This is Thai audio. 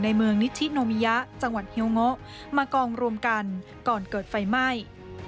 เมืองนิชิโนมิยะจังหวัดเฮียโงะมากองรวมกันก่อนเกิดไฟไหม้